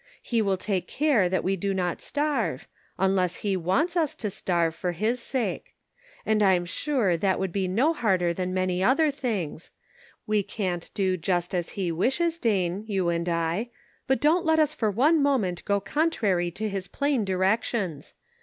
He will take care that we do not starve, unless he wants us to starve for his sake ; and I'm sure that would be no harder than many other things ; we can't do just as he wishes, Dane, you and I, but don't let us for one moment go contrary to his plain directions.